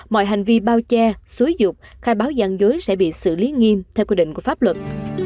mọi hành vi bao che xúi dục khai báo gian dối sẽ bị xử lý nghiêm theo quy định của pháp luật